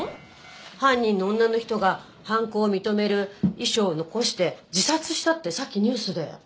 犯人の女の人が犯行を認める遺書を残して自殺したってさっきニュースで。